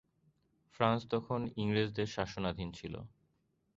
France তখন ইংরেজদের শাসনাধীন ছিল।